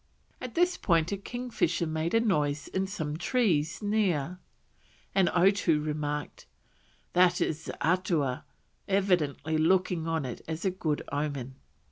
At this time a king fisher made a noise in some trees near, and Otoo remarked, "That is the Eatua," evidently looking on it as a good omen.